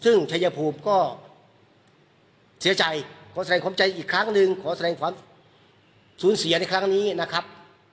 ซึ่งชัยภูมิก็เสียใจขอแสดงความใจอีกครั้งหนึ่งขอแสดงความสูญเสียในครั้งนี้นะครับ